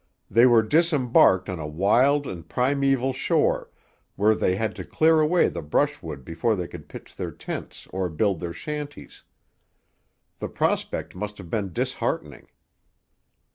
They were disembarked on a wild and primeval shore, where they had to clear away the brushwood before they could pitch their tents or build their shanties. The prospect must have been disheartening.